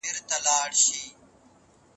بل قوم برلاسی سي.